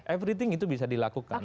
everything itu bisa dilakukan